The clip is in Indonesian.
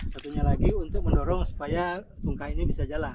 satunya lagi untuk mendorong supaya tungkah ini bisa jalan